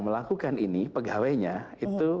melakukan ini pegawainya itu